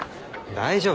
大丈夫。